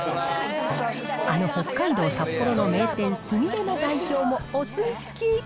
あの北海道札幌の名店、すみれの代表もお墨付き。